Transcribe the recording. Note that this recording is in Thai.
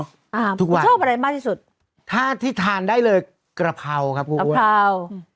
อ่าทุกวันชอบอะไรมากที่สุดถ้าที่ทานได้เลยกระเพราครับคุณผู้ชม